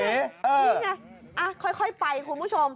นี่ไงค่อยไปคุณผู้ชม